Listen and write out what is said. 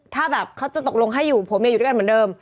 ถ้าแบบเขาจะตกลงให้อยู่ผัวเมียอยู่ด้วยกันเหมือนเดิม